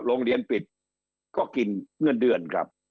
โรงเรียนปิดก็กินเงินเดือนครับ